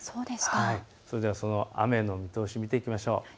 それではその雨の見通しを見ていきましょう。